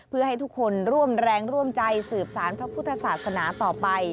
เพื่อให้ทุกคนร่วมแรงร่วมใจสืบสารพระพุทธศาสนาต่อไป